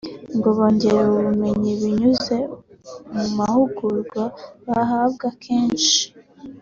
ngo bongerewe ubumenyi binyuze mu mahugurwa bahabwaga kenshi